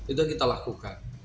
itu kita lakukan